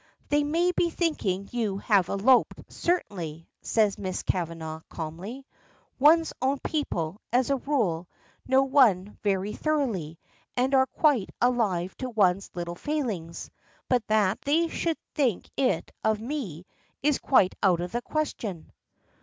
"They may be thinking you have eloped, certainly," says Miss Kavanagh calmly. "One's own people, as a rule, know one very thoroughly, and are quite alive to one's little failings; but that they should think it of me is quite out of the question."